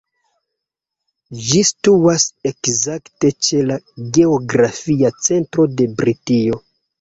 Ĝi situas ekzakte ĉe la geografia centro de Britio.